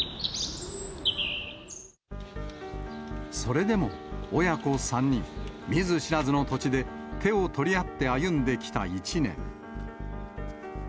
それでも親子３人、見ず知らずの土地で、手を取り合って歩んできた１年。